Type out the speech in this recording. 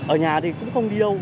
ở nhà thì cũng không đi đâu